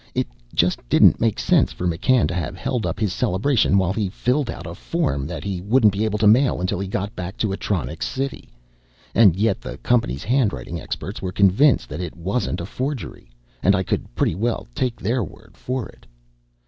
It just didn't make sense for McCann to have held up his celebration while he filled out a form that he wouldn't be able to mail until he got back to Atronics City. And yet the company's handwriting experts were convinced that it wasn't a forgery, and I could pretty well take their word for it.